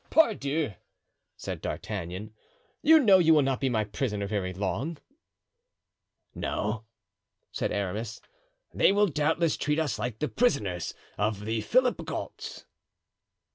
pardieu!" said D'Artagnan, "you know you will not be my prisoner very long." "No," said Aramis, "they will doubtless treat us like the prisoners of the Philipghauts."